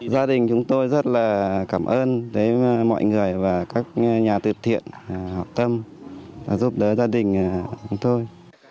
gia đình chúng tôi rất là cảm ơn mọi người và các nhà tư thiện học tâm giúp đỡ gia đình chúng tôi